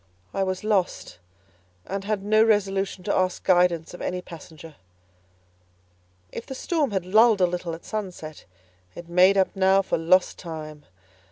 I was lost and had no resolution to ask guidance of any passenger. If the storm had lulled a little at sunset, it made up now for lost time.